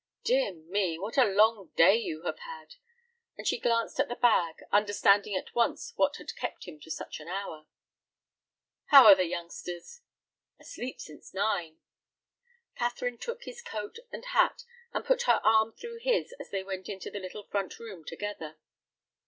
Dear me, what a long day you have had!" and she glanced at the bag, understanding at once what had kept him to such an hour. "How are the youngsters?" "Asleep since nine." Catherine took his coat and hat, and put her arm through his as they went into the little front room together.